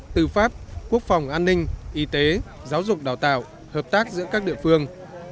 tư pháp quốc phòng an ninh y tế giáo dục đào tạo hợp tác giữa các địa phương